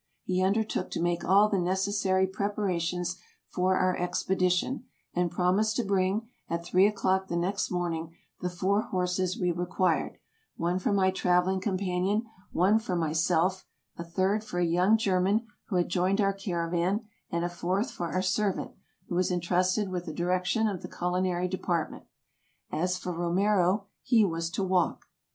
He undertook to make all the necessary preparations for our expedition, and promised to bring, at three o'clock the next morning, the four horses we required, one for my traveling compan ion, one for myself, a third for a young German who had joined our caravan, and a fourth for our servant, who was intrusted with the direction of the culinary department. As for Romero, he was to walk.